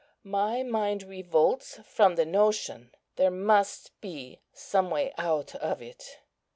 My mind revolts from the notion. There must be some way out of it."